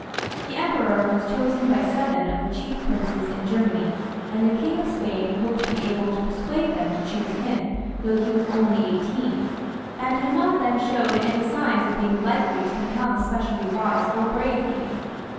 The Emperor was chosen by seven of the chief princes in Germany, and the King of Spain hoped to be able to persuade them to choose him, though he was only eighteen, and had not then showed any signs of being likely to become a specially wise or brave king.